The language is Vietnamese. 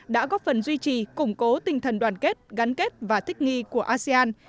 đã góp phần duy trì củng cố tinh thần đoàn kết gắn kết và thích nghi của asean